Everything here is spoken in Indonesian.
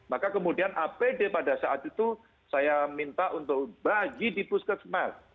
maka kemudian apd pada saat itu saya minta untuk bagi di puskesmas